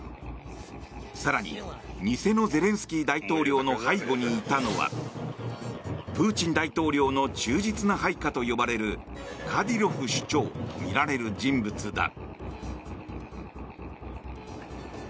更に、偽のゼレンスキー大統領の背後にいたのはプーチン大統領の忠実な配下と呼ばれるカディロフ首長とみられる人物だ。